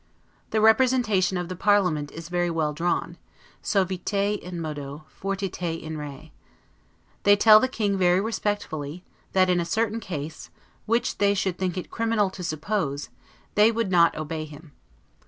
The representation of the parliament is very well drawn, 'suaviter in modo, fortiter in re'. They tell the King very respectfully, that, in a certain case, WHICH THEY SHOULD THINK IT CRIMINAL To SUPPOSE, they would not obey him.